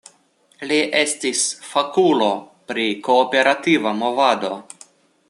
Li estis fakulo pri kooperativa movado.